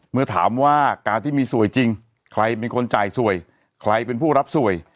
เมื่อถามว่าการที่มีสวยจริงใครเป็นคนจ่ายสวยใครเป็นผู้รับสวย